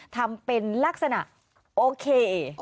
ทำเป็นลักษณะโอเค